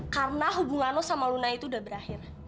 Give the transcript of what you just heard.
karena hubungan lo sama luna itu udah berakhir